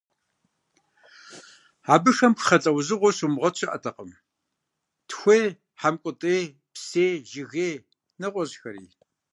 Абыхэм пхъэ лӀэужьыгъуэу щумыгъуэт щыӀэтэкъым: тхуей, хьэмкӀутӀей, псей, жыгей, нэгъуэщӏхэри.